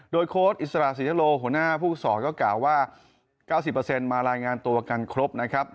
โดยโค้ดอิสระศรียโลหัวหน้าผู้ฝึกศรก็กล่าวว่า๙๐มารายงานตัวกันครบนะครับ